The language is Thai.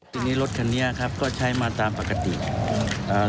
ทีนี้รถคันนี้ครับก็ใช้มาตามปกติอ่า